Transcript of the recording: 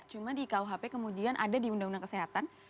cuma di kuhp kemudian ada di undang undang kesehatan